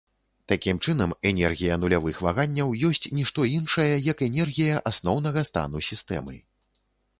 Такім чынам, энергія нулявых ваганняў ёсць ні што іншае, як энергія асноўнага стану сістэмы.